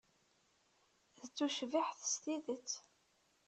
D tucbiḥt s tidet.